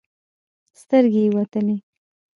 سترګې يې وتلې.